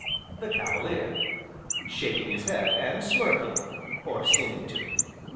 THE CAVALIER: (Shaking his head and smirking, or seeming to)!!!